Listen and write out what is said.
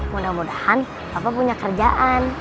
mudah mudahan bapak punya kerjaan